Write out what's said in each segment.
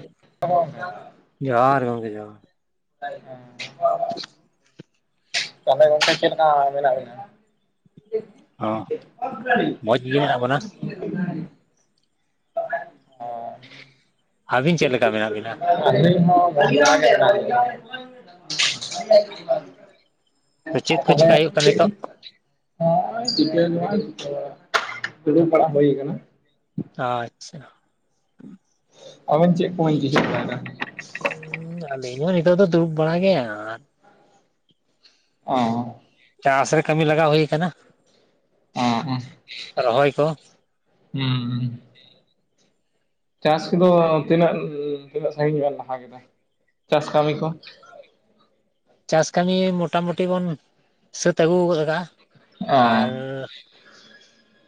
[unintelligible] ᱡᱚᱦᱟᱨ ᱜᱮ ᱜᱚᱝᱠᱮ ᱡᱚᱦᱟᱨ, [unintelligible] ᱛᱟᱦᱞᱮ ᱜᱚᱝᱠᱮ ᱪᱮᱜ ᱞᱮᱠᱟ ᱢᱮᱱᱟᱜ ᱵᱮᱱᱟ? ᱚ ᱢᱚᱸᱡᱽ ᱜᱮ ᱢᱮᱱᱟᱜ ᱵᱚᱱᱟ [inaudible] [inaudible] ᱟᱵᱤᱱ ᱪᱮᱜ ᱞᱮᱠᱟ ᱢᱮᱱᱟᱜ ᱵᱤᱱᱟ? [unintelligible] ᱟᱞᱤᱧ ᱦᱚᱸ [unintelligible] ᱛᱚ ᱪᱮᱫ ᱠᱚ ᱪᱮᱠᱟ ᱦᱩᱭᱩᱜ ᱠᱟᱱᱟ ᱱᱤᱛᱚᱜ [unintelligible] [unintelligible] ᱫᱲᱩᱵ ᱵᱟᱲᱟ ᱦᱩᱭ ᱠᱟᱱᱟ᱾ ᱟᱪᱪᱷᱟ᱾ ᱟᱵᱮᱱ ᱪᱮᱜ ᱠᱚᱵᱮᱱ [unintelligible] ᱩᱸ ᱟᱹᱞᱤᱧ ᱦᱚᱸ ᱱᱤᱛᱚᱜ ᱫᱚ ᱫᱩᱲᱩᱵ ᱵᱟᱲᱟ ᱜᱮ᱾ ᱟᱨ ᱚᱸ ᱪᱟᱥ ᱨᱮ ᱠᱟᱹᱢᱤ ᱞᱟᱜᱟᱣ ᱦᱩᱭ ᱠᱟᱱᱟ᱾ ᱚᱸ ᱚᱸ ᱨᱚᱦᱚᱭ ᱠᱚ᱾ ᱦᱩᱸ ᱪᱟᱥ ᱠᱚᱫᱚ ᱛᱤᱱᱟᱹᱜ ᱛᱤᱱᱟᱹᱜ ᱥᱟᱺᱜᱤᱧ ᱵᱤᱱ ᱞᱟᱦᱟ ᱠᱮᱫᱟ ᱪᱟᱥ ᱠᱟᱹᱢᱤ ᱠᱚ? ᱪᱟᱥ ᱠᱟᱹᱢᱤ ᱢᱚᱴᱟ ᱢᱩᱴᱤ ᱵᱚᱱ ᱥᱟᱹᱛ ᱟᱹᱜᱩ ᱜᱚᱫ ᱟᱠᱟᱫᱟ᱾ ᱚ ᱟᱨ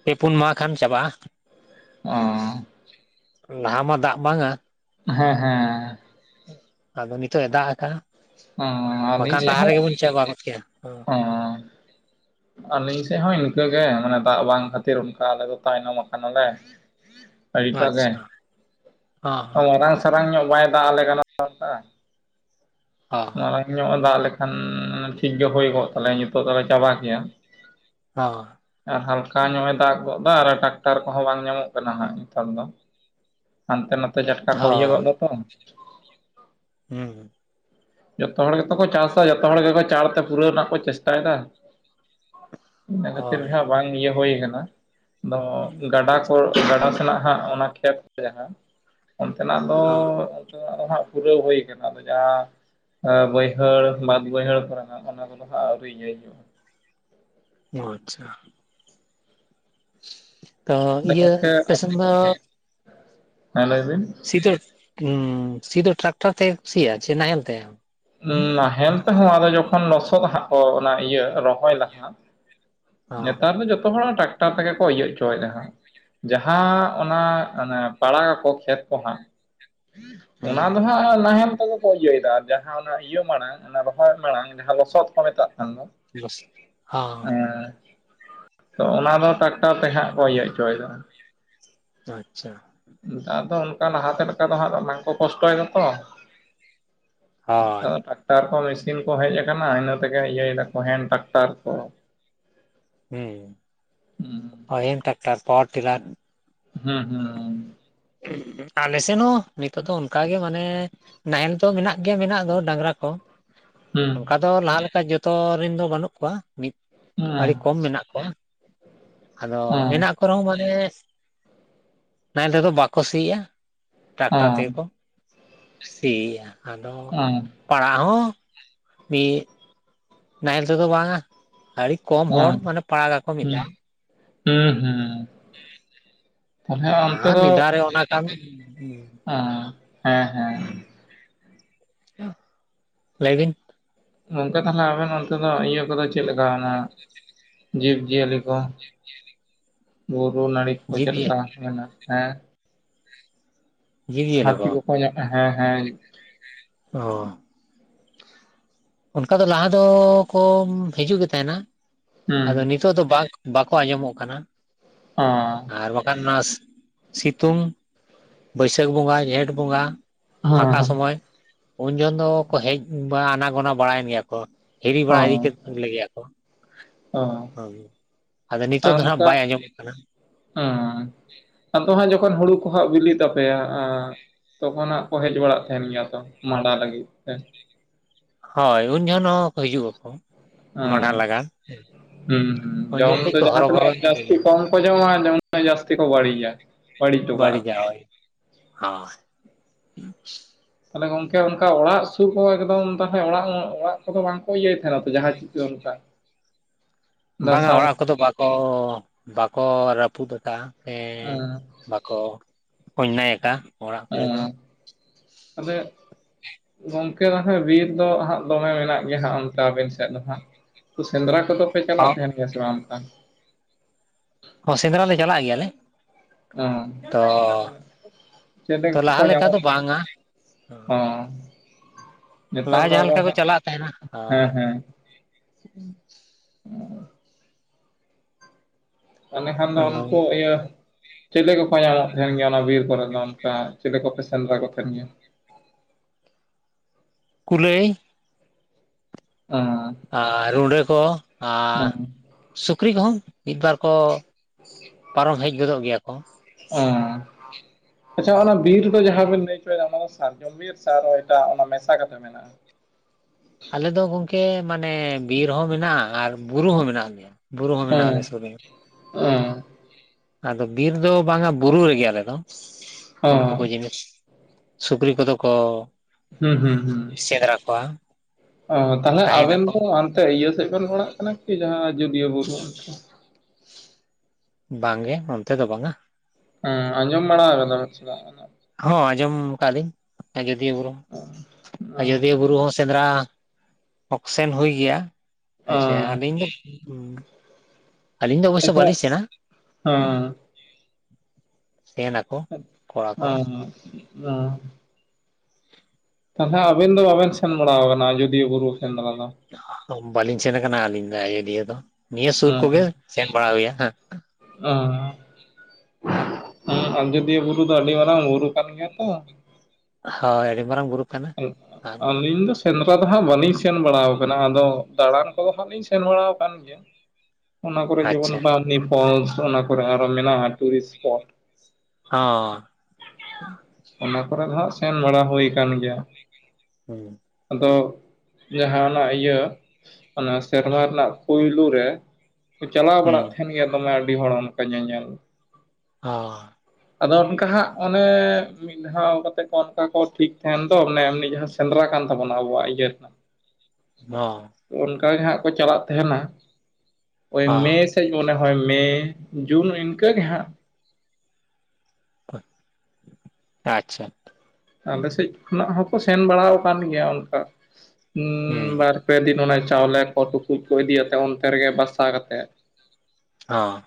ᱯᱮ ᱯᱩᱱ ᱢᱟᱦᱟ ᱠᱷᱟᱱ ᱪᱟᱵᱟᱜᱼᱟ᱾ ᱚᱸ ᱞᱟᱦᱟ ᱢᱟ ᱫᱟᱜ ᱵᱟᱝᱟ᱾ ᱦᱮᱸ ᱦᱮᱸ᱾ ᱟᱫᱚ ᱱᱤᱛᱚᱜ ᱮ ᱫᱟᱜ ᱠᱟᱜᱼᱟ ᱚ ᱵᱟᱠᱷᱟᱱ ᱞᱟᱦᱟ ᱨᱮᱜᱮ ᱵᱚᱱ ᱪᱮᱵᱟ ᱜᱚᱫ ᱠᱮᱭᱟ᱾ ᱚᱸ ᱟᱹᱞᱤᱧ ᱥᱮᱜ ᱦᱚᱸ ᱤᱱᱠᱟᱹᱜ ᱜᱮ ᱢᱟᱱᱮ ᱫᱟᱜ ᱵᱟᱝ ᱠᱷᱟᱹᱛᱤᱨ ᱚᱱᱠᱟ ᱟᱞᱮ ᱫᱚ ᱛᱟᱭᱱᱚᱢ ᱠᱟᱱᱟᱞᱮ᱾ ᱟᱹᱰᱤ ᱴᱟ ᱨᱮ ᱟᱪᱪᱷᱟ ᱦᱚᱸ [unintelligible] ᱥᱟᱨᱟᱝ ᱧᱚᱜ ᱵᱟᱭ ᱫᱟᱜ ᱟᱞᱮ ᱠᱟᱱᱟ [unintelligible] [unintelligible] ᱧᱚᱜ ᱮ ᱫᱟᱜ ᱞᱮᱠᱷᱟᱱ ᱴᱷᱤᱠ ᱜᱮ ᱦᱩᱭ ᱠᱚᱜ ᱛᱟᱞᱮᱭᱟ ᱱᱤᱛᱚᱜ ᱫᱚᱞᱮ ᱪᱟᱵᱟ ᱠᱮᱭᱟ᱾ ᱟᱨ ᱦᱟᱞᱠᱟ ᱧᱚᱜ ᱮ ᱫᱟᱜ ᱜᱚᱜ ᱜᱚᱜᱫᱟ ᱟᱨ ᱴᱟᱠᱴᱟᱨ ᱠᱚᱦᱚᱸ ᱵᱟᱝ ᱧᱟᱢᱚᱜ ᱠᱟᱱᱟ ᱦᱟᱸᱜ ᱧᱮᱛᱟᱨ ᱫᱚ᱾ ᱦᱟᱱᱛᱮ ᱱᱟᱛᱮ ᱪᱟᱴᱠᱟ ᱠᱚ ᱤᱭᱟᱹ ᱦᱚᱸ ᱜᱚᱫ ᱫᱟᱛᱚ᱾ ᱦᱩᱸ ᱦᱩᱸ᱾ ᱡᱚᱛᱚ ᱦᱚᱲ ᱜᱮᱛᱚ ᱠᱚ ᱪᱟᱥᱟ ᱡᱚᱛᱚ ᱦᱚᱲ ᱜᱮᱠᱚ ᱪᱟᱲ ᱛᱮ ᱯᱩᱨᱟᱹᱣ ᱨᱮᱱᱟᱜ ᱠᱚ ᱪᱮᱥᱴᱟᱭᱫᱟ᱾ ᱤᱱᱟᱹ ᱠᱷᱟᱹᱛᱤᱨ ᱜᱮ ᱦᱳᱭ ᱦᱟᱸᱜ ᱵᱟᱝ ᱤᱭᱟᱹ ᱦᱳᱭ ᱠᱟᱱᱟ᱾ ᱫᱚ ᱜᱟᱰᱟ ᱠᱚ ᱜᱟᱰᱟ ᱥᱮᱱᱟᱜ ᱦᱟᱸᱜ ᱚᱱᱟ ᱠᱷᱮᱛ ᱠᱚ ᱡᱟᱦᱟᱸ ᱚᱱᱛᱮᱱᱟᱜ ᱫᱚ ᱦᱚᱸ [unintelligible] ᱯᱩᱨᱟᱹᱣ ᱦᱩᱭ ᱠᱟᱱᱟ ᱟᱫᱚ ᱡᱟᱦᱟᱸ ᱮ ᱵᱟᱹᱭᱦᱟᱹᱲ ᱵᱟᱫ ᱵᱟᱹᱭᱦᱟᱹᱲ ᱠᱚᱨᱮᱱᱟᱜ ᱚᱱᱟ ᱠᱚᱫᱚ ᱦᱟᱸᱜ ᱟᱹᱣᱨᱤ [unintelligible] ᱚ ᱟᱪᱪᱷᱟ᱾ ᱛᱚ [inaudible] ᱤᱭᱟᱹ ᱜᱚᱝᱠᱮ ᱟᱯᱮ ᱥᱮᱱ ᱫᱚ ᱦᱮᱸ ᱞᱟᱹᱭ ᱵᱤᱱ᱾ ᱥᱤᱫᱚ ᱩᱸ ᱥᱤᱫᱚ ᱴᱨᱟᱠᱴᱟᱨ ᱛᱮᱜᱮ ᱠᱩ ᱥᱤᱭᱟ ᱪᱮ ᱱᱟᱦᱮᱞ ᱛᱮ? ᱱᱟᱦᱮᱞ ᱛᱮᱦᱚᱸ ᱟᱫᱚ ᱡᱚᱠᱷᱚᱱ ᱞᱚᱥᱚᱜ ᱦᱟᱸᱜ ᱠᱚ ᱚᱱᱟ ᱤᱭᱟᱹ ᱨᱚᱦᱚᱭ ᱞᱟᱦᱟ᱾ ᱦᱚᱸ ᱧᱮᱛᱟᱨ ᱫᱚ ᱡᱚᱛᱚ ᱦᱚᱲᱟᱜ ᱴᱟᱠᱴᱟᱨ ᱛᱮᱜᱮ ᱠᱚ ᱤᱭᱟᱹ ᱚᱪᱚᱭᱫᱟ ᱦᱟᱸᱜ᱾ ᱡᱟᱦᱟᱸ ᱚᱱᱟ ᱚᱱᱮ ᱯᱟᱲᱟ ᱠᱚ ᱠᱷᱮᱛ ᱠᱚ ᱦᱟᱸᱜ ᱚᱱᱟ ᱦᱩᱸ ᱫᱚ ᱦᱟᱸᱜ ᱱᱟᱦᱮᱞ ᱛᱮᱜᱮ ᱠᱚ ᱤᱭᱟᱹᱭᱫᱟ ᱟᱨ ᱡᱟ ᱡᱟᱦᱟᱸ ᱚᱱᱟ ᱤᱭᱟᱹ ᱢᱟᱲᱟᱝ ᱚᱱᱟ ᱨᱚᱦᱚᱭ ᱢᱟᱲᱟᱝ ᱡᱟᱦᱟᱸ ᱞᱚᱥᱚᱫ ᱠᱚ ᱢᱮᱛᱟᱜ ᱠᱟᱱ ᱫᱚ ᱵᱚᱥ ᱦᱚᱸ ᱮᱸ ᱛᱚ ᱚᱱᱟ ᱫᱚ ᱴᱟᱠᱴᱟᱨ ᱛᱮ ᱦᱟᱸᱜ ᱠᱚ ᱤᱭᱟᱹ ᱚᱪᱚᱭᱫᱟ᱾ ᱟᱪᱪᱷᱟ᱾ ᱱᱮᱛᱟᱨ ᱫᱚ ᱚᱱᱠᱟ ᱞᱟᱦᱟᱛᱮ ᱞᱮᱠᱟ ᱫᱚ ᱦᱟᱸᱜ ᱵᱟᱝᱠᱚ ᱠᱚᱥᱴᱚᱭᱫᱟ ᱛᱚ᱾ ᱦᱳᱭ [inaudible] ᱴᱟᱨ ᱠᱚ, ᱢᱮᱥᱤᱱ ᱠᱚ ᱦᱮᱡ ᱟᱠᱟᱱᱟ ᱤᱱᱟᱹ ᱛᱮᱜᱮ ᱤᱭᱟᱹᱭᱫᱟ ᱠᱚ ᱦᱮᱱ ᱴᱟᱠᱴᱟᱨ ᱠᱚ᱾ ᱦᱩᱸ ᱦᱩᱸ ᱟᱭᱤᱱ ᱴᱟᱠᱴᱟᱨ ᱯᱟᱣᱟ ᱴᱮᱞᱟᱨ ᱦᱩᱸ ᱦᱩᱸ᱾ ᱟᱞᱮ ᱥᱮᱱ ᱦᱚᱸ ᱱᱤᱛᱚᱜ ᱫᱚ ᱚᱱᱠᱟᱜᱮ ᱢᱟᱱᱮ ᱱᱟᱦᱮᱞ ᱫᱚ ᱢᱮᱱᱟᱜ ᱜᱮᱭᱟ ᱢᱮᱱᱟᱜ ᱫᱚ ᱰᱟᱝᱨᱟ ᱠᱚ ᱚᱝᱠᱟ ᱫᱚ ᱞᱟᱦᱟ ᱞᱮᱠᱟ ᱡᱚᱛᱚ ᱨᱮᱱ ᱫᱚ ᱵᱟᱹᱱᱩᱜ ᱠᱚᱣᱟ ᱢᱤᱫ ᱦᱩᱸ ᱟᱹᱰᱤ ᱠᱚᱢ ᱢᱮᱱᱟᱜ ᱠᱚᱣᱟ᱾ ᱟᱫᱚ ᱦᱩᱸ ᱦᱮᱱᱟᱜ ᱠᱚᱨᱮ ᱦᱚᱸ ᱢᱟᱱᱮ ᱱᱟᱦᱞᱮ ᱛᱮᱫᱚ ᱵᱟᱠ ᱠᱚ ᱥᱤᱭᱟ ᱴᱟᱠᱴᱟᱨ ᱦᱩᱸ ᱛᱮᱜᱮ ᱠᱚ ᱥᱤᱭᱟ ᱟᱫᱚ ᱦᱩᱸ ᱯᱟᱲᱟ ᱦᱚᱸ ᱢᱤᱜ ᱱᱟᱦᱮᱞ ᱛᱮᱫᱚ ᱵᱟᱝᱟ ᱟᱹᱰᱤ ᱠᱚᱢ ᱦᱚᱲ ᱢᱟᱱᱮ ᱯᱟᱲᱟᱜᱟᱠᱚ ᱢᱤᱜ ᱫᱷᱟᱣ᱾ ᱦᱩᱸ ᱦᱩᱸ ᱛᱟᱦᱞᱮ ᱚᱱᱛᱮ ᱫᱚ [unintelligible] ᱩᱸ ᱟᱸ ᱦᱮᱸ ᱦᱮᱸ᱾ [inaudible] ᱞᱟᱹᱭ ᱵᱤᱱ᱾ ᱜᱚᱝᱠᱮ ᱛᱟᱦᱞᱮ ᱟᱵᱮᱱ ᱚᱱᱛᱮ ᱫᱚ ᱤᱭᱟᱹ ᱠᱚᱫᱚ ᱪᱮᱫ ᱞᱮᱠᱟ? ᱚᱱᱟ ᱡᱤᱵᱽᱼᱡᱤᱭᱟᱹᱞᱤ ᱠᱚ, ᱵᱩᱨᱩ ᱱᱟᱹᱲᱤ ᱠᱚ ᱪᱮᱜ ᱞᱮᱠᱟ ᱡᱤᱵᱽᱼᱡᱤᱭᱟᱹᱞᱤ ᱢᱮᱱᱟ ᱦᱮᱸ ᱡᱤᱵᱽᱼᱡᱤᱭᱟᱹᱞᱤ ᱦᱟᱹᱛᱤ ᱠᱚ ᱠᱚᱠᱚ ᱧᱟᱢ ᱦᱮᱸ ᱦᱮᱸ᱾ ᱚ ᱚᱱᱠᱟ ᱫᱚ ᱞᱟᱦᱟ ᱫᱚ ᱠᱚ ᱦᱤᱡᱩᱜ ᱜᱮ ᱛᱟᱦᱮᱱᱟ᱾ ᱦᱩᱸ ᱟᱫᱚ ᱱᱤ ᱛᱚᱜ ᱫᱚ ᱵᱟᱝᱠ ᱵᱟᱠᱚ ᱟᱸᱡᱚᱢᱚᱜ ᱠᱟᱱᱟ᱾ ᱚᱸ ᱟᱨ ᱵᱟᱠᱷᱟᱱ ᱱᱟᱥ ᱥᱤᱛᱩᱝ ᱵᱟᱹᱭᱥᱟᱹᱠ ᱵᱚᱸᱜᱟ, ᱡᱷᱮᱸᱴ ᱵᱚᱸᱜᱟ ᱯᱷᱟᱠᱟ ᱦᱮᱸ ᱥᱚᱢᱚᱭ ᱩᱱ ᱡᱚᱠᱷᱚᱱ ᱫᱚ ᱠᱚ ᱦᱮᱡ ᱵᱟᱸ, ᱟᱱᱟ-ᱜᱚᱱᱟ ᱵᱟᱲᱟᱭᱮᱱ ᱜᱮᱭᱟ ᱠᱚ᱾ ᱦᱤᱨᱤ ᱵᱟᱲᱟ ᱤᱫᱤ ᱠᱮᱫ ᱞᱮ ᱜᱮᱭᱟ ᱠᱚ᱾ ᱚᱸ [inaudible] ᱟᱫᱚ ᱱᱤᱛᱚᱜ ᱫᱚ ᱦᱟᱸᱜ ᱵᱟᱭ ᱟᱸᱡᱚᱢᱚᱜ ᱠᱟᱱᱟ᱾ ᱚᱸ ᱟᱫᱚ ᱦᱟᱸᱜ ᱡᱚᱠᱷᱚᱱ ᱦᱩᱲᱩ ᱠᱚ ᱦᱟᱸᱜ ᱵᱤᱞᱤᱜ ᱛᱟᱯᱮᱭᱟ ᱟᱸ ᱛᱚᱠᱷᱚᱱ ᱦᱟᱸᱜ ᱠᱚ ᱦᱮᱡ ᱵᱟᱲᱟᱜ ᱛᱟᱦᱮᱱ ᱜᱮᱭᱟ ᱛᱚ, ᱢᱟᱸᱰᱟ ᱞᱟᱹᱜᱤᱫ ᱛᱮ᱾ ᱦᱚᱭ ᱩᱱ ᱡᱚᱦᱚᱱ ᱦᱚᱸ ᱦᱤᱡᱩᱜ ᱟᱠᱚ ᱢᱟᱸᱰᱟ ᱚᱸ ᱞᱟᱜᱟ ᱦᱮᱸ᱾ ᱦᱩᱸ ᱦᱩᱸ ᱡᱚᱢ ᱫᱚ ᱡᱟᱦᱟᱸ ᱛᱤᱱᱟᱹᱜ ᱡᱟᱹᱥᱛᱤ [unintelligible] [unintelligible] ᱡᱟᱹᱥᱛᱤ ᱠᱚ ᱵᱟᱹᱲᱤᱡᱟ᱾ ᱵᱟᱹᱲᱤᱡ ᱦᱚᱴᱚ ᱠᱟᱜᱼᱟ ᱠᱚ᱾ ᱵᱟᱹᱲᱤᱡᱟ ᱦᱳᱭ ᱦᱚ᱾ ᱛᱟᱞᱮ ᱜᱚᱝᱠᱮ ᱚᱱᱠᱟ ᱚᱲᱟᱜ ᱥᱩᱨ ᱠᱚ, ᱮᱠᱫᱚᱢ ᱛᱟᱦᱞᱮ ᱚᱲᱟᱜ ᱚᱲᱟᱜ ᱠᱚᱫᱚ ᱵᱟᱝ ᱠᱚ ᱤᱭᱟᱹᱭ ᱛᱟᱦᱮᱱᱟ ᱛᱚ ᱡᱟᱦᱟᱸ ᱪᱤᱠᱟᱹ ᱚᱱᱠᱟ? [inaudible] ᱵᱟᱝᱟ ᱚᱲᱟᱜ ᱢᱟᱥᱟᱣ ᱠᱚᱫᱚ ᱵᱟᱠᱚ ᱵᱟᱠᱚ ᱨᱟᱹᱯᱩᱫ ᱠᱟᱜᱼᱟ ᱥᱮ ᱚᱸ ᱵᱟᱠᱚ ᱚᱱᱱᱭᱟᱭ ᱠᱟᱜᱼᱟ᱾ ᱚᱸ ᱛᱟᱦᱞᱮ ᱜᱚᱝ [unintelligible] ᱵᱤᱨ ᱫᱚ ᱦᱟᱸᱜ ᱫᱚᱢᱮ ᱢᱮᱱᱟᱜ ᱜᱮᱭᱟ ᱦᱟᱸᱜ ᱚᱱᱛᱮ ᱟᱵᱮᱱ ᱥᱮᱜ ᱫᱚ ᱦᱟᱸᱜ? ᱥᱮᱸᱫᱽᱨᱟ ᱠᱚᱫᱚ ᱯᱮ ᱪᱟᱞᱟᱜ ᱛᱟᱦᱮᱱ ᱜᱮᱭᱟ ᱥᱮ ᱵᱟᱝ ᱚᱝᱠᱟ? ᱦᱚ ᱥᱮᱸᱫᱽᱨᱟ ᱞᱮ ᱪᱟᱞᱟᱜ ᱜᱮᱭᱟᱞᱮ᱾ ᱚ ᱛᱚ, ᱛᱟᱦᱚᱞᱮ ᱛᱚ ᱞᱟᱦᱟ ᱞᱮᱠᱟ ᱫᱚ ᱵᱟᱝᱟ᱾ ᱚᱸ ᱞᱟᱦᱟ ᱡᱟᱦᱟᱸ ᱞᱮᱠᱟ ᱠᱚ ᱪᱟᱞᱟᱜ ᱛᱟᱦᱮᱱᱟ, ᱦᱮᱸ ᱦᱳᱭ᱾ ᱦᱮᱸ ᱮᱸᱱᱮᱠᱷᱟᱱ ᱫᱚ ᱟᱫᱚ ᱩᱱᱠᱩ ᱤᱭᱟᱹ ᱪᱮᱞᱤ ᱠᱚ ᱠᱚ ᱧᱟᱢᱚᱜ ᱛᱟᱦᱮᱱ ᱜᱮᱭᱟ᱾ ᱚᱱᱟ ᱵᱤᱨ ᱠᱚᱨᱮ ᱫᱚ ᱚᱱᱠᱟ ᱪᱮᱫ ᱞᱮᱠᱟᱯᱮ ᱥᱮᱸᱫᱽᱨᱟ ᱠᱚ ᱛᱟᱦᱮᱱ ᱜᱮᱭᱟ? ᱠᱩᱞᱟᱹᱭ, ᱚᱸᱻ᱾ ᱟᱨ ᱨᱩᱸᱰᱟᱹ ᱠᱚ ᱟᱨ ᱥᱩᱠᱨᱤ ᱠᱚᱦᱚᱸ ᱢᱤᱫᱵᱟᱨ ᱠᱚ ᱯᱟᱨᱚᱢ ᱦᱮᱡ ᱜᱚᱫᱚᱜ ᱜᱮᱭᱟ ᱠᱚ᱾ ᱚᱸᱻ ᱟᱪᱪᱷᱟ, ᱚᱱᱟ ᱵᱤᱨ ᱫᱚ ᱡᱟᱦᱟᱸ ᱵᱤᱱ ᱞᱟᱹᱭ ᱦᱚᱪᱚᱭᱮᱫᱟ᱾ ᱚᱱᱟ ᱫᱚ ᱥᱟᱨᱡᱚᱢ ᱵᱤᱨ ᱮᱴᱟᱜ ᱢᱮᱥᱟ ᱠᱟᱛᱮᱜ ᱢᱮᱱᱟᱜᱼᱟ? ᱟᱞᱮ ᱫᱚ ᱜᱚᱝᱠᱮ ᱢᱟᱱᱮ ᱵᱤᱨ ᱦᱚᱸ ᱢᱮᱱᱟᱜᱼᱟ ᱟᱨ ᱵᱩᱨᱩ ᱦᱚᱸ ᱢᱮᱱᱟᱜ ᱜᱮᱭᱟ, ᱵᱩᱨᱩ ᱦᱚᱸ ᱢᱮᱱᱟᱜ ᱟᱞᱮ ᱚᱸ ᱥᱩᱨ ᱨᱮᱜᱮ᱾ ᱚᱸ ᱟᱫᱚ ᱫᱚ ᱵᱟᱨ ᱫᱚ ᱵᱟᱝᱼᱟ᱾ ᱵᱩᱨᱩ ᱨᱮᱜᱮ ᱟᱞᱮ ᱫᱚ᱾ ᱚᱸ ᱩᱱᱠᱩ ᱠᱚ ᱡᱤᱱᱤᱥ ᱥᱩᱠᱨᱤ ᱠᱚᱫᱚ ᱠᱚ ᱦᱩᱸ ᱦᱩᱸ ᱦᱩᱸ ᱥᱮᱸᱫᱽᱨᱟ ᱠᱚᱣᱟ ᱚ ᱛᱟᱦᱞᱮ ᱟᱵᱮᱱ ᱛᱟᱦᱮᱱᱟᱠᱚ ᱫᱚ ᱮ ᱤᱭᱟᱹ ᱥᱮᱫ ᱵᱚᱱ ᱚᱲᱟᱜ ᱠᱟᱱᱟ ᱠᱤ ᱡᱟᱦᱟᱸ ᱟᱡᱚᱫᱤᱭᱟᱹ ᱵᱩᱨᱩ ᱵᱟᱝ ᱜᱮ ᱚᱱᱛᱮ ᱫᱚ ᱵᱟᱝᱼᱟ᱾ ᱦᱚᱸ ᱟᱸᱡᱚᱢ ᱵᱟᱲᱟ ᱟᱠᱟᱫᱟ ᱥᱮ ᱵᱟᱝᱼᱟ? ᱦᱚᱸ ᱟᱸᱡᱚᱢ ᱟᱠᱟᱫᱟ ᱞᱤᱧ ᱟᱹᱡᱚᱫᱤᱭᱟᱹ ᱵᱩᱨᱩ, ᱚᱸ ᱟᱡᱚᱫᱤᱭᱟᱹ ᱵᱩᱨᱩ ᱦᱚᱸ ᱥᱮᱸᱫᱽᱨᱟ ᱚᱠᱥᱮᱱ ᱦᱩᱭ ᱜᱮᱭᱟ᱾ ᱦᱮᱸᱪᱮ ᱚᱸ ᱟᱹᱞᱤᱧ ᱫᱚ ᱟᱹᱞᱤᱧ ᱫᱚ ᱚᱵᱚᱥᱥᱳᱭ ᱟᱪᱪᱷᱟ ᱵᱟᱹᱞᱤᱧ ᱥᱮᱱᱟ ᱦᱮᱸ [unintelligible] ᱠᱚᱲᱟ ᱠᱚ [unintelligible] ᱛᱟᱦᱚᱞᱮ ᱟᱵᱤᱱ ᱫᱚ ᱵᱟᱵᱤᱱ ᱥᱮᱱ ᱵᱟᱲᱟ ᱟᱠᱟᱱᱟ ᱟᱡᱚᱫᱤᱭᱟᱹ ᱵᱩᱨᱩ ᱥᱮᱸᱫᱽᱨᱟ ᱫᱚ᱾ ᱵᱟᱹᱞᱤᱧ ᱥᱮᱱ ᱟᱠᱟᱱᱟ ᱟᱹᱞᱤᱧ ᱫᱚ ᱟᱡᱚᱫᱤᱭᱟᱹ ᱫᱚ ᱱᱤᱭᱟᱹ ᱥᱩᱨ ᱠᱚᱜᱮ ᱥᱮᱱ ᱵᱟᱲᱟ ᱦᱩᱭᱟ ᱦᱮᱸ᱾ ᱚ ᱦᱮᱸ ᱟᱨ ᱟᱡᱚᱫᱤᱭᱟᱹ ᱵᱩᱨᱩ ᱫᱚ ᱟᱹᱰᱤ ᱢᱟᱨᱟᱝ ᱵᱩᱨᱩ ᱠᱟᱱ ᱜᱮᱭᱟ ᱛᱚ᱾ ᱦᱳᱭ ᱟᱹᱰᱤ ᱢᱟᱨᱟᱝ ᱵᱩᱨᱩ ᱠᱟᱱᱟ ᱟᱨ ᱟᱹᱞᱤᱧ ᱫᱚ ᱥᱮᱸᱫᱽᱨᱟ ᱫᱚ ᱦᱟᱸᱜ ᱵᱟᱹᱞᱤᱧ ᱥᱮᱱ ᱵᱟᱲᱟᱣ ᱠᱟᱱᱟ ᱟᱫᱚ ᱫᱟᱬᱟᱱ ᱠᱚᱫᱚ ᱦᱟᱸᱜ ᱞᱤᱧ ᱥᱮᱱ ᱵᱟᱲᱟᱣ ᱟᱠᱟᱱ ᱜᱮᱭᱟ᱾ ᱚᱱᱟ ᱠᱚᱨᱮ ᱡᱮᱢᱚᱱ ᱟᱪᱪᱷᱟ ᱵᱟᱨᱱᱤ ᱯᱷᱚᱞᱥ ᱚᱱᱟ ᱠᱚᱨᱮ ᱟᱨᱦᱚᱸ ᱢᱮᱱᱟᱜᱼᱟ ᱴᱩᱨᱤᱥᱴ ᱯᱷᱚᱞᱥ᱾ ᱦᱚ᱾ ᱚᱱᱟ ᱠᱚᱨᱮ ᱦᱟᱸᱜ ᱥᱮᱱ ᱵᱟᱲᱟ ᱦᱩᱭ ᱟᱠᱟᱱ ᱜᱮᱭᱟ᱾ ᱦᱮᱸ᱾ ᱟᱫᱚ ᱡᱟᱦᱟᱱᱟᱜ ᱤᱭᱟᱹ ᱚᱱᱟ ᱥᱮᱨᱢᱟ ᱨᱮᱱᱟᱜ ᱯᱩᱭᱞᱩ ᱨᱮ᱾ ᱪᱟᱞᱟᱣ ᱦᱩᱸ ᱵᱟᱲᱟᱜ ᱛᱟᱦᱮᱸᱱ ᱜᱮᱭᱟ ᱫᱚᱢᱮ ᱟᱹᱰᱤ ᱦᱚᱲ ᱚᱱᱠᱟ ᱧᱮᱧᱮᱞ᱾ ᱦᱚᱸ ᱟᱫᱚ ᱚᱱᱠᱟ ᱦᱟᱸᱜ ᱚᱱᱮ ᱢᱤᱫ ᱫᱷᱟᱣ ᱠᱟᱛᱮ ᱠᱚ ᱚᱱᱠᱟ ᱠᱚ ᱴᱷᱤᱠ ᱛᱟᱦᱮᱸᱱ᱾ ᱟᱫᱚ ᱚᱱᱮ ᱮᱢᱱᱤ ᱡᱟᱦᱟᱸ ᱥᱮᱸᱫᱽᱨᱟ ᱠᱟᱱ ᱛᱟᱵᱚᱱᱟ ᱟᱵᱚᱣᱟᱜ ᱤᱭᱟᱹ ᱨᱮᱱᱟᱜ᱾ ᱢᱚ ᱚᱱᱠᱟ ᱜᱮ ᱦᱟᱸᱜ ᱠᱚ ᱪᱟᱞᱟᱜ ᱛᱟᱦᱮᱸᱱᱟ ᱳᱭ ᱢᱮᱥ ᱦᱚᱸ ᱢᱚᱱᱮ ᱦᱚᱭ ᱢᱮ ᱡᱩᱱ ᱤᱱᱠᱟᱹ ᱜᱮ ᱦᱟᱸᱜ᱾ [unintelligible] ᱟᱪᱪᱷᱟ ᱟᱞᱮ ᱥᱮᱫ ᱠᱷᱚᱱᱟᱜ ᱦᱚᱸᱠᱚ ᱥᱮᱱ ᱵᱟᱲᱟ ᱟᱠᱟᱱ ᱜᱮᱭᱟ ᱚᱱᱠᱟ ᱦᱩᱸ ᱵᱟᱨ ᱯᱮ ᱫᱤᱱ ᱚᱱᱮ ᱪᱟᱣᱞᱮ ᱠᱚ ᱴᱩᱠᱩᱡ ᱠᱚ ᱤᱫᱤᱭᱟᱛᱮ ᱚᱱᱛᱮ ᱨᱮᱜᱮ ᱵᱟᱥᱟ ᱠᱟᱛᱮ᱾ ᱚ᱾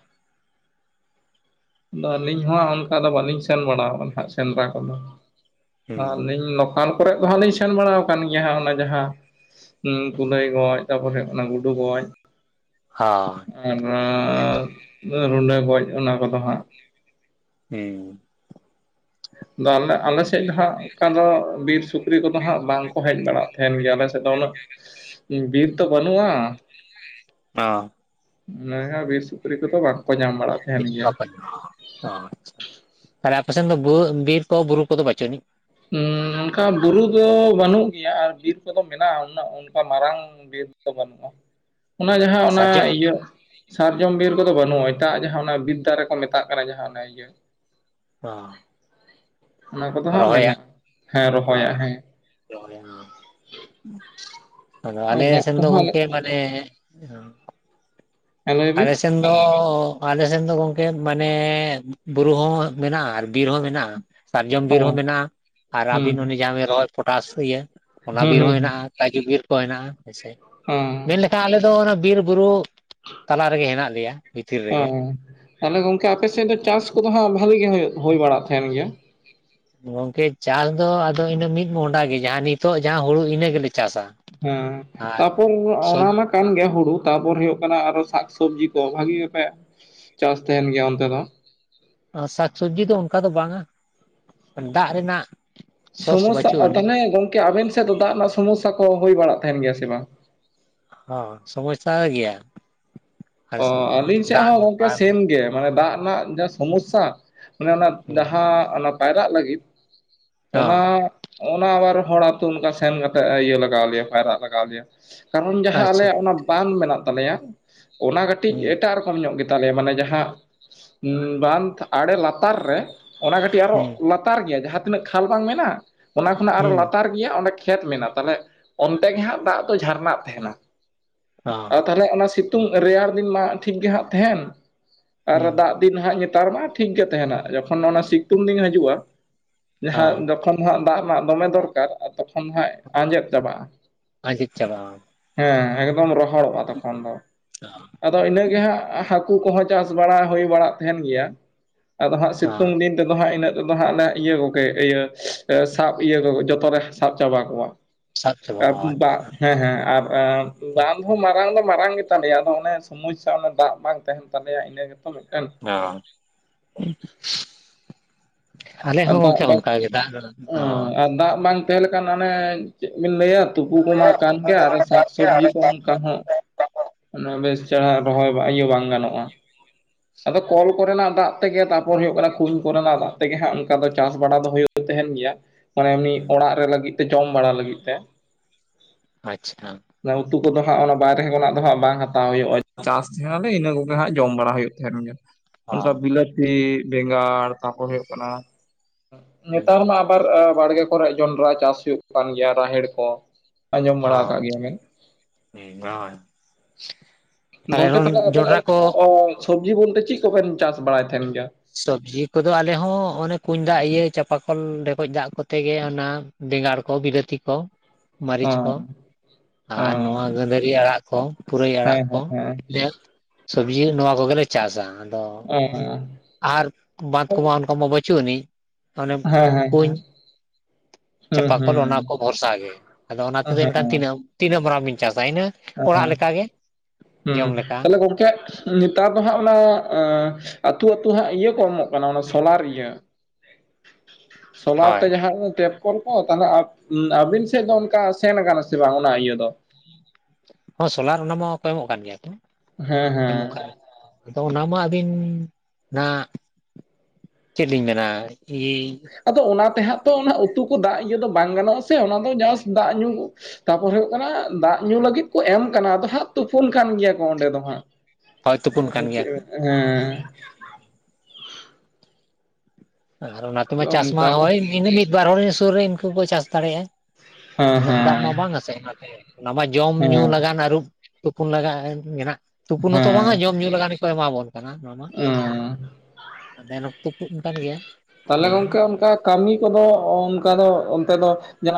ᱟᱫᱚ ᱟᱹᱞᱤᱧ ᱦᱚᱸ ᱚᱱᱠᱟ ᱫᱚ ᱵᱟᱹᱞᱤᱧ ᱥᱮᱱ ᱵᱟᱲᱟ ᱟᱠᱟᱱᱟ ᱥᱮᱸᱫᱽᱨᱟ ᱠᱚᱫᱚ᱾ ᱦᱩᱸ ᱟᱹᱞᱤᱧ ᱞᱚᱠᱟᱞ ᱠᱚᱨᱮ ᱫᱚ ᱦᱟᱸᱜ ᱞᱤᱧ ᱥᱮᱱ ᱵᱟᱲᱟᱣ ᱠᱟᱱ ᱜᱮᱭᱟ ᱦᱟᱸᱜ ᱚᱱᱟ ᱡᱟᱦᱟᱸ ᱩᱸ ᱠᱩᱞᱟᱹᱭ ᱜᱚᱡ ᱛᱟᱯᱚᱨᱮ ᱦᱩᱭᱩᱜ ᱠᱟᱱᱟ ᱜᱩᱰᱩ ᱜᱚᱡ᱾ ᱦᱚᱸ ᱟᱨᱟᱸ ᱨᱩᱸᱰᱟᱹ ᱜᱚᱡ ᱚᱱᱟ ᱠᱚᱫᱚ ᱦᱟᱸᱜ᱾ ᱦᱩᱸ ᱫᱚ ᱟᱞᱮ ᱟᱞᱮ ᱥᱮᱜ ᱫᱚ ᱦᱟᱸᱜ ᱚᱝᱠᱟ ᱫᱚ ᱵᱤᱨ ᱥᱩᱠᱨᱤ ᱠᱚᱫᱚ ᱦᱟᱸᱜ ᱵᱟᱝᱠᱚ ᱦᱮᱡ ᱵᱟᱲᱟᱜ ᱛᱟᱦᱮᱱ ᱜᱮᱭᱟ ᱟᱞᱮ ᱥᱮᱜ ᱫᱚ ᱩᱱᱟᱹᱜ ᱵᱤᱨ ᱛᱚ ᱵᱟᱹᱱᱩᱜᱼᱟ᱾ ᱚᱸ ᱚᱱᱟ ᱜᱮ ᱵᱤᱨ ᱥᱩᱠᱨᱤ ᱠᱚᱫᱚ ᱵᱟᱝᱠᱚ ᱧᱟᱢ ᱵᱟᱲᱟᱜᱼᱟ᱾ [unintelligible] ᱚ ᱟᱪᱪᱷᱟ ᱟᱨ ᱟᱯᱮ ᱥᱮᱱ ᱫᱚ ᱵᱩ ᱵᱤᱨ ᱠᱚ ᱵᱩᱨᱩ ᱠᱚᱫᱚ ᱵᱟᱹᱪᱩᱜ ᱟᱹᱱᱤᱡ? ᱩᱸ ᱚᱝᱠᱟ ᱵᱩᱨᱩ ᱫᱚ ᱵᱟᱹᱱᱩᱜ ᱜᱮᱭᱟ, ᱟᱨ ᱵᱤᱨ ᱠᱚᱫᱚ ᱢᱮᱱᱟᱜᱼᱟ ᱩᱱᱟᱹᱜ ᱚᱱᱠᱟ ᱢᱟᱨᱟᱝ ᱵᱤᱨ ᱫᱚ ᱵᱟᱹᱱᱩᱜᱼᱟ, ᱚᱱᱟ ᱡᱟᱦᱟᱸ ᱚᱱᱟ ᱥᱟᱨᱡᱚᱢ ᱤᱭᱟᱹ ᱥᱟᱨᱡᱚᱢ ᱵᱤᱨ ᱠᱚᱫᱚ ᱵᱟᱹᱱᱩᱜᱼᱟ ᱮᱴᱟᱜᱼᱟᱜ ᱡᱟᱦᱟᱸ ᱚᱱᱟ ᱵᱤᱫᱽ ᱫᱟᱨᱮ ᱠᱚ ᱢᱮᱛᱟᱜ ᱠᱟᱱᱟ ᱡᱟᱦᱟᱸ ᱚᱱᱟ ᱤᱭᱟᱹ ᱚ ᱚᱱᱟ ᱠᱚᱫᱚ ᱦᱟᱸ ᱨᱚᱦᱚᱭᱟᱜ ᱢᱮᱱᱟᱜ ᱚ [unintelligible] ᱟᱫᱚ ᱟᱨ ᱟᱞᱮ ᱫᱟᱜ ᱥᱮᱱ ᱫᱚ ᱠᱚᱦᱚᱸ ᱟᱞᱮ ᱜᱚᱝᱠᱮ ᱢᱟᱱᱮ ᱦᱮᱸ ᱞᱟᱹᱭ ᱵᱤᱱ ᱟᱞᱮ ᱥᱮᱱ ᱫᱚ ᱟᱞᱮ ᱥᱮᱱ ᱫᱚ ᱜᱚᱝᱠᱮ ᱢᱟᱱᱮ ᱵᱩᱨᱩ ᱦᱚᱸ ᱢᱮᱱᱟᱜᱼᱟ ᱟᱨ ᱵᱤᱨ ᱦᱚᱸ ᱢᱮᱱᱟᱜᱼᱟ᱾ ᱥᱟᱨᱡᱚᱢ ᱚ ᱵᱤᱨ ᱦᱚᱸ ᱦᱩᱸ ᱢᱮᱱᱟᱜᱼᱟ, ᱟᱨ ᱦᱩᱸ ᱟᱵᱤᱱ ᱚᱱᱮ ᱡᱟᱦᱟᱸ ᱵᱤᱱ ᱨᱚᱦᱚᱭ ᱯᱚᱴᱟᱥ ᱤᱭᱟᱹ ᱚᱱᱟ ᱦᱩᱸ ᱦᱩᱸ ᱵᱤᱨ ᱦᱚᱸ ᱦᱮᱱᱟᱜᱼᱟ᱾ ᱠᱟᱹᱡᱩ ᱵᱤᱨ ᱠᱚ ᱦᱮᱱᱟᱜᱼᱟ ᱦᱮᱸᱥᱮ ᱦᱮᱸ ᱢᱮᱱᱞᱮᱠᱷᱟᱡ ᱟᱞᱮ ᱫᱚ ᱚᱱᱟ ᱵᱤᱨ ᱵᱩᱨᱩ ᱛᱟᱞᱟ ᱨᱮᱜᱮ ᱦᱮᱱᱟᱜ ᱞᱮᱭᱟ᱾ ᱵᱷᱤᱛᱤᱨ ᱚ ᱨᱮᱜᱮ ᱛᱟᱦᱞᱮ ᱜᱚᱝᱠᱮ ᱟᱯᱮ ᱥᱮᱫ ᱫᱚ ᱪᱟᱥ ᱠᱚᱫᱚ ᱦᱟᱸᱜ ᱵᱷᱟᱞᱤ ᱜᱮ ᱦᱩᱭᱩᱜ ᱦᱩᱭ ᱵᱟᱲᱟᱜ ᱛᱟᱦᱮᱸᱱ ᱜᱮᱭᱟ? ᱜᱚᱝᱠᱮ ᱪᱟᱥ ᱫᱚ ᱟᱫᱚ ᱤᱱᱟᱹ ᱢᱤᱫ ᱢᱚᱦᱚᱰᱟ ᱜᱮ ᱡᱟᱦᱟᱸ ᱱᱤᱛᱚᱜ ᱡᱟᱦᱟᱸ ᱦᱩᱲᱩ ᱤᱱᱟᱹ ᱜᱮᱞᱮ ᱪᱟᱥᱟ᱾ ᱦᱩᱸ ᱟᱨ ᱛᱟᱯᱚᱨ ᱥᱚᱵ ᱚᱱᱟ ᱢᱟ ᱠᱟᱱ ᱜᱮᱭᱟ ᱦᱩᱲᱩ ᱛᱟᱨᱯᱚᱨ ᱦᱩᱭᱩᱜ ᱠᱟᱱᱟ ᱟᱨᱚ ᱥᱟᱠᱥᱚᱵᱽᱡᱤ ᱠᱚ ᱵᱷᱟᱜᱤ ᱜᱮᱯᱮ ᱪᱟᱥ ᱛᱟᱦᱮᱱ ᱜᱮᱭᱟ ᱚᱱᱛᱮ ᱫᱚ᱾ ᱟᱸ ᱥᱟᱠ ᱥᱚᱵᱽᱡᱤ ᱫᱚ ᱚᱝᱠᱟ ᱫᱚ ᱵᱟᱝᱟ, ᱫᱟᱜ ᱨᱮᱱᱟᱜ ᱥᱳᱨᱥ ᱵᱟᱹᱪᱩᱜ ᱥᱚᱢᱚᱥᱥᱟᱜᱼᱟ ᱟᱹᱱᱤᱡ ᱛᱟᱦᱞᱮ ᱜᱚᱝᱠᱮ ᱟᱵᱮᱱ ᱥᱮᱜ ᱫᱚ ᱫᱟᱜ ᱨᱮᱱᱟᱜ ᱥᱚᱢᱚᱥᱥᱟ ᱠᱚ ᱦᱩᱭ ᱵᱟᱲᱟᱜ ᱛᱟᱦᱮᱱ ᱜᱮᱭᱟ ᱥᱮ ᱵᱟᱝ? ᱦᱚ ᱥᱚᱢᱚᱥᱥᱟ ᱜᱮᱭᱟ᱾ ᱟᱞᱮ ᱚ ᱥᱮᱱ ᱫᱚ ᱟᱹᱞᱤᱧ ᱥᱮᱜ ᱫᱟᱜ ᱦᱚᱸ ᱜᱚᱝᱠᱮ ᱟᱨ ᱥᱮᱢ ᱜᱮ ᱢᱟᱱᱮ ᱫᱟᱜ ᱨᱮᱱᱟᱜ ᱡᱟ ᱥᱚᱢᱚᱥᱥᱟ᱾ ᱚᱱᱮ ᱚᱱᱟ ᱦᱩᱸ ᱡᱟᱦᱟᱸ ᱚᱱᱟ ᱯᱟᱭᱨᱟᱜ ᱞᱟᱹᱜᱤᱫ ᱚᱱᱟ ᱦᱚᱸ ᱚᱱᱟ ᱟᱵᱟᱨ ᱦᱚᱲ ᱟᱛᱩ ᱚᱱᱠᱟ ᱥᱮᱱ ᱠᱟᱛᱮᱜ ᱤᱭᱟᱹ ᱞᱟᱜᱟᱣ ᱞᱮᱭᱟ ᱯᱟᱭᱨᱟᱜ ᱞᱟᱜᱟᱣ ᱞᱮᱭᱟ᱾ ᱠᱟᱨᱚᱱ ᱡᱟᱦᱟᱸ ᱟᱪᱪᱷᱟ ᱟᱞᱮᱭᱟᱜ ᱚᱱᱟ ᱵᱟᱱ ᱢᱮᱱᱟᱜ ᱛᱟᱞᱮᱭᱟ ᱚᱱᱟ ᱠᱟᱹᱴᱤᱡ ᱦᱩᱸ ᱮᱴᱟᱜ ᱨᱚᱠᱚᱢ ᱧᱚᱜ ᱜᱮ ᱛᱟᱞᱮᱭᱟ ᱢᱟᱱᱮ ᱡᱟᱦᱟᱸ ᱵᱟᱸᱫᱷ ᱟᱲᱮ ᱞᱟᱛᱟᱨ ᱨᱮ ᱚᱱᱟ ᱠᱟᱹᱴᱤᱡ ᱦᱩᱸ ᱟᱨᱚ ᱞᱟᱛ ᱛᱟᱨ ᱜᱮᱭᱟ ᱡᱟᱦᱟᱸ ᱛᱤᱱᱟᱹᱜ ᱠᱷᱟᱞ ᱵᱟᱝ ᱢᱮᱱᱟᱜ ᱚᱱᱟ ᱠᱷᱚᱱᱟᱜ ᱟᱨᱚ ᱦᱩᱸ ᱞᱟᱛᱟᱨ ᱜᱮᱭᱟ ᱚᱸᱰᱮ ᱠᱷᱮᱛ ᱢᱮᱱᱟᱜ ᱛᱟᱦᱞᱮ ᱚᱱᱛᱮ ᱜᱮ ᱦᱟᱸᱜ ᱫᱟᱜ ᱫᱚ ᱡᱷᱟᱨᱱᱟᱜ ᱛᱟᱦᱮᱱᱟ᱾ ᱦᱚ ᱛᱟᱦᱞᱮ ᱚᱱᱟ ᱥᱤᱛᱩᱝ ᱨᱮᱭᱟᱲ ᱫᱤᱱ ᱢᱟ ᱴᱷᱤᱠ ᱜᱮ ᱦᱟᱸᱜ ᱛᱟᱦᱮᱱ ᱟᱨ ᱦᱩᱸ ᱫᱟᱜ ᱫᱤᱱ ᱦᱟᱸᱜ ᱧᱮᱛᱟᱨ ᱢᱟ ᱴᱷᱤᱠ ᱜᱮ ᱛᱟᱦᱮᱱᱟ ᱡᱚᱠᱷᱚᱱ ᱚᱱᱟ ᱥᱤᱛᱩᱝ ᱫᱤᱱ ᱦᱤᱡᱩᱜᱼᱟ ᱚ ᱡᱟᱦᱟᱸ ᱡᱚᱠᱷᱚᱱ ᱦᱟᱸᱜ ᱫᱟᱜ ᱨᱮᱱᱟᱜ ᱫᱚᱢᱮ ᱫᱚᱨᱠᱟᱨ ᱟ ᱛᱚᱠᱷᱚᱱ ᱦᱟᱸᱜ ᱟᱸᱡᱮᱫ ᱪᱟᱵᱟᱜᱼᱟ᱾ ᱟᱸᱡᱮᱫ ᱪᱟᱵᱟᱜᱼᱟ᱾ ᱦᱮᱸ ᱮᱠᱫᱚᱢ ᱨᱚᱦᱚᱲᱚᱜᱼᱟ ᱛᱚᱠᱷᱚᱱ ᱫᱚ᱾ [inaudible] ᱟᱫᱚ ᱤᱱᱟᱹᱜ ᱜᱮ ᱦᱟᱸᱜ ᱦᱟᱹᱠᱩ ᱠᱚᱦᱚᱸ ᱪᱟᱥ ᱵᱟᱲᱟ ᱦᱩᱭ ᱵᱟᱲᱟᱜ ᱛᱟᱦᱮᱱ ᱜᱮᱭᱟ ᱟᱫᱚ ᱦᱟᱸᱜ ᱚ ᱥᱤᱛᱩᱝ ᱫᱤᱱ ᱛᱮᱫᱚ ᱦᱟᱸᱜ ᱤᱱᱟᱹᱜ ᱛᱮᱫᱚ ᱦᱟᱸᱜ ᱱᱟ ᱤᱭᱟᱹ ᱠᱚᱜᱮ ᱤᱭᱟᱹ ᱥᱟᱵ ᱤᱭᱟᱹ ᱠᱚ ᱡᱚᱛᱚ ᱞᱮ ᱥᱟᱵ ᱪᱟᱵᱟ ᱠᱚᱣᱟ᱾ ᱥᱟᱵ [unintelligible] ᱪᱟᱵᱟ ᱚ ᱦᱮᱸ ᱦᱮᱸ ᱟᱨ ᱵᱟᱸᱫᱷ ᱦᱚᱸ ᱢᱟᱨᱟᱝ ᱫᱚ ᱢᱟᱨᱟᱝ ᱜᱮ, ᱛᱟᱞᱮᱭᱟ ᱟᱫᱚ ᱚᱱᱮ ᱥᱚᱢᱚᱥᱥᱟ ᱚᱱᱮ ᱫᱟᱜ ᱵᱟᱝ ᱛᱟᱦᱮᱱ ᱛᱟᱞᱮᱭᱟ ᱤᱱᱟᱹ ᱜᱮᱛᱚ ᱢᱤᱫᱴᱮᱱ, [unintelligible] ᱟᱞᱮ ᱦᱚᱸ ᱫᱟᱜ ᱜᱚᱝᱠᱮ ᱵᱟᱝ ᱚᱱᱠᱟ ᱜᱮ ᱫᱟᱜ ᱨᱮᱱᱟᱜ ᱫᱚ, ᱦᱮᱸ ᱟᱨ ᱫᱟᱜ ᱵᱟᱝ ᱛᱟᱦᱮᱸ ᱞᱮ ᱠᱷᱟᱱ ᱚᱱᱮ ᱪᱮᱫ ᱵᱤᱱ ᱞᱟᱹᱭᱟ ᱛᱩᱯᱩ ᱠᱚᱢᱟ ᱠᱟᱱ ᱜᱮ ᱟᱨ ᱥᱟᱠ ᱥᱚᱵᱽᱡᱤ ᱠᱚ ᱚᱱᱠᱟ ᱦᱚᱸ, ᱚᱱᱟ ᱵᱮᱥ ᱪᱮᱨᱦᱟ ᱨᱚᱦᱚᱭ ᱤᱭᱟᱹ ᱵᱟᱝ ᱜᱟᱱᱚᱜ-ᱟ᱾ ᱠᱚᱞ ᱠᱚᱨᱮᱱᱟᱜ ᱫᱟᱜ ᱛᱮᱜᱮ ᱛᱟᱨᱯᱚᱨᱮ ᱦᱳᱭᱳᱜ ᱠᱟᱱᱟ ᱠᱩᱧ ᱠᱚᱨᱮᱱᱟᱜ ᱫᱟᱜ ᱛᱮᱜᱮ ᱦᱟᱸᱜ ᱚᱱᱠᱟ ᱫᱚ ᱪᱟᱥ ᱵᱟᱲᱟ ᱫᱚ ᱦᱩᱭᱩᱜ ᱛᱟᱦᱮᱱ ᱜᱮᱭᱟ᱾ ᱢᱟᱱᱮ ᱮᱢᱱᱤ ᱚᱲᱟᱜ ᱨᱮ ᱞᱟᱹᱜᱤᱫ ᱛᱮ ᱡᱚᱢ ᱵᱟᱲᱟ ᱞᱟᱹᱜᱤᱫ ᱛᱮ᱾ ᱟᱪᱪᱷᱟ᱾ ᱩᱛᱩ ᱠᱚᱫᱚ ᱦᱟᱸᱜ ᱚᱱᱟ ᱵᱟᱭᱨᱮ ᱫᱚ ᱦᱟᱸᱜ ᱵᱟᱝ ᱦᱟᱛᱟᱣ ᱦᱩᱭᱩᱜᱼᱟ ᱪᱟᱥ ᱛᱟᱦᱮᱸᱱᱟᱞᱮ ᱤᱱᱟᱹ ᱠᱚᱜᱮ ᱦᱟᱸᱜ ᱡᱚᱢ ᱵᱟᱲᱟ ᱦᱩᱭᱩᱜ ᱛᱟᱦᱮᱱ ᱜᱮᱭᱟ ᱚ ᱚ ᱚᱱᱠᱟ ᱵᱤᱞᱟᱹᱛᱤ ᱵᱮᱸᱜᱟᱲ ᱛᱟᱨᱯᱚᱨ ᱦᱩᱭᱩᱜ ᱠᱟᱱᱟ ᱱᱮᱛᱟᱨ ᱢᱟ ᱟᱵᱟᱨ ᱵᱟᱲᱜᱮ ᱠᱚᱨᱮ ᱡᱚᱱᱰᱨᱟ ᱪᱟᱥ ᱦᱩᱭᱩᱜ ᱠᱟᱱ ᱜᱮᱭᱟ ᱨᱟᱦᱮᱲ ᱠᱚ ᱟᱸᱡᱚᱢ ᱵᱟᱲᱟ ᱟᱠᱟᱫ ᱜᱮᱭᱟ ᱵᱮᱱ ᱾ ᱦᱮᱸ ᱵᱟᱝ [inaudible] ᱜᱚᱝᱠᱮ ᱛᱟᱦᱚᱞᱮ ᱟᱵᱮᱱ ᱚᱱᱛᱮ ᱫᱚ ᱥᱚᱵᱡᱤ ᱵᱚᱞᱛᱮ ᱪᱮᱫ ᱠᱚᱵᱮᱱ ᱪᱟᱥ ᱵᱟᱲᱟᱭ ᱛᱟᱦᱮᱱ ᱜᱮᱭᱟ? ᱥᱚᱵᱽᱡᱤ ᱠᱚᱫᱚ ᱟᱞᱮ ᱦᱚᱸ ᱚᱱᱮ ᱠᱩᱧ ᱫᱟᱜ ᱤᱭᱟᱹ ᱪᱟᱸᱯᱟᱠᱚᱞ ᱰᱷᱮᱠᱚᱡ ᱫᱟᱜ ᱠᱚᱛᱮ ᱜᱮ ᱚᱱᱟ ᱵᱮᱸᱜᱟᱲ ᱠᱚ ᱵᱤᱞᱟᱹᱛᱤ ᱠᱚ, ᱢᱟᱹᱨᱤᱪ ᱠᱚ ᱦᱮᱸ ᱟᱨ ᱦᱮᱸ ᱱᱚᱣᱟ ᱜᱟᱹᱫᱷᱟᱹᱨᱤ ᱟᱲᱟᱜ ᱠᱚ, ᱯᱩᱨᱟᱹᱭ ᱟᱲᱟᱜ ᱦᱮᱸ ᱠᱚ ᱦᱮᱸ ᱦᱮᱸ [inaudible] ᱥᱚᱵᱡᱤ ᱱᱚᱣᱟ ᱠᱚ ᱜᱮᱞᱮ ᱪᱟᱥᱟ ᱟᱫᱚ ᱟᱨ ᱵᱟᱸᱫᱷ ᱠᱚᱢᱟ ᱚᱱᱠᱟ ᱢᱟ ᱵᱟᱹᱪᱩᱜ ᱟᱹᱱᱤᱡ ᱚᱱᱮ ᱦᱮᱸ ᱦᱮᱸ ᱠᱩᱧ ᱦᱮᱸ᱾ ᱦᱩᱸ ᱪᱟᱸᱯᱟᱠᱚᱞ ᱚᱱᱟ ᱦᱩᱸ ᱠᱚ ᱵᱷᱚᱨᱥᱟ ᱜᱮ ᱟᱫᱚ ᱚᱱᱟ ᱦᱮᱸ ᱛᱮᱫᱚ ᱮᱱᱠᱷᱟᱱ ᱛᱤᱱᱟᱹᱜ ᱢᱟᱨᱟᱝ ᱵᱤᱱ ᱪᱟᱥᱟ ᱤᱱᱟᱹ ᱚᱲᱟᱜ ᱦᱮᱸ ᱞᱮᱠᱟᱜᱮ ᱦᱩᱸᱢ ᱡᱚᱢ ᱞᱮᱠᱟ ᱛᱟᱦᱚᱞᱮ ᱜᱚᱝᱠᱮ ᱱᱮᱛᱟᱨ ᱫᱚ ᱦᱟᱸᱜ ᱚᱱᱟ ᱟᱛᱩ ᱟᱛᱩ ᱦᱟᱸᱜ ᱤᱭᱟᱹ ᱠᱚ ᱮᱢᱚᱜ ᱠᱟᱱᱟ ᱦᱟᱜ ᱚᱱᱟ ᱥᱳᱞᱟᱨ ᱤᱭᱟᱹ ᱥᱳᱞᱟᱨᱛᱮ ᱦᱳᱭ ᱡᱟᱦᱟᱸ ᱠᱮᱯ ᱠᱚᱞ ᱠᱚ, ᱛᱟᱦᱚᱞᱮ ᱟᱵᱼ ᱩᱸ ᱟᱵᱤᱱ ᱥᱮᱫ ᱫᱚ ᱚᱱᱠᱟ ᱥᱮᱱ ᱠᱟᱱᱟ ᱥᱮ ᱵᱟᱝ ᱚᱱᱟ ᱤᱭᱟᱹ ᱫᱚ? ᱦᱚᱸ ᱥᱳᱞᱟᱨ ᱚᱱᱟ ᱢᱟᱼᱠᱚ ᱮᱢᱚᱜ ᱠᱟᱱ ᱜᱮᱭᱟ ᱛᱚ, ᱦᱮᱸ ᱦᱮᱸ ᱮᱢᱚᱜ ᱠᱷᱟᱡ ᱟᱫᱚ ᱚᱱᱟᱢᱟ ᱟᱹᱵᱤᱱ ᱱᱟᱜ ᱪᱮᱫ ᱞᱤᱧ ᱢᱮᱱᱟ? ᱤ ᱟᱫᱚ ᱚᱱᱟᱛᱮ ᱦᱟᱸᱜ ᱛᱚ ᱚᱱᱟ ᱩᱛᱩ ᱠᱚ ᱫᱟᱜ ᱤᱭᱟᱹ ᱫᱚ ᱵᱟᱝ ᱜᱟᱱᱚᱜᱼᱟ ᱥᱮ, ᱚᱱᱟ ᱫᱚ ᱡᱟᱥᱴ ᱫᱟᱜ ᱧᱩ ᱛᱟᱯᱚᱨ ᱦᱩᱭᱩᱜ ᱠᱟᱱᱟ ᱫᱟᱜ ᱧᱩ ᱞᱟᱹᱜᱤᱫ ᱠᱚ ᱮᱢ ᱠᱟᱱᱟ, ᱟᱫᱚ ᱦᱟᱸᱜ ᱛᱩᱯᱩᱱ ᱠᱟᱱ ᱜᱮᱭᱟ ᱠᱚ ᱚᱸᱰᱮ ᱫᱚ ᱦᱟᱸᱜ ᱦᱚᱭ ᱛᱩᱯᱩᱱ ᱟᱫᱚ ᱠᱟᱱ ᱜᱮᱭᱟ ᱪᱮᱜ ᱠᱚ [inaudible] ᱦᱮᱸ᱾ ᱟᱨ ᱚᱱᱟ ᱛᱮᱢᱟ ᱪᱟᱥ ᱢᱟ ᱚᱱᱠᱟ ᱜᱮ ᱦᱳᱭ ᱤᱱᱟᱹ ᱢᱤᱫ ᱵᱟᱨ ᱦᱚᱲ ᱥᱩᱨ ᱨᱮ ᱩᱱᱠᱩ ᱠᱚ ᱪᱟᱥ ᱫᱟᱲᱮᱭᱟᱜᱼᱟ ᱦᱮᱸ ᱩᱱᱟᱹᱜ ᱫᱟᱜ ᱢᱟ ᱵᱟᱝ ᱟᱥᱮ, ᱚᱱᱟᱛᱮ ᱚᱱᱟᱢᱟ ᱡᱚᱢ ᱧᱩ ᱦᱮᱸ ᱞᱟᱜᱟᱱ ᱟᱹᱨᱩᱵ ᱛᱩᱯᱩᱱ ᱞᱟᱜᱟᱜ ᱢᱮᱱᱟᱜ ᱛᱩᱯᱩᱱ ᱦᱚᱸᱛᱚ ᱵᱟᱝᱟ ᱦᱮᱸ ᱡᱚᱢ ᱧᱩ ᱞᱟᱜᱟᱱ ᱜᱮᱠᱚ ᱮᱢᱟᱵᱚᱱ ᱠᱟᱱᱟ ᱱᱚᱣᱟ ᱢᱟ ᱦᱮᱸ ᱚ ᱮᱱ ᱦᱚᱸ ᱛᱩᱯᱩᱱ ᱠᱟᱱ ᱜᱮᱭᱟ᱾ ᱛᱟᱦᱚᱞᱮ ᱵᱚᱱ ᱜᱚᱢᱠᱮ ᱚᱱᱠᱟ ᱠᱟᱹᱢᱤ ᱠᱚᱫᱚ ᱚᱱᱠᱟ ᱫᱚ ᱚᱱᱛᱮ ᱫᱚ ᱡᱟ